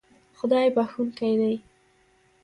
خدای بښونکی دی